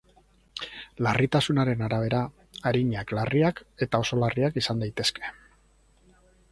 Larritasunaren arabera: arinak, larriak eta oso larriak izan daitezke.